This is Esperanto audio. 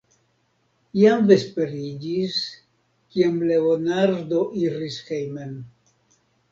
Jam vesperiĝis, kiam Leonardo iris hejmen.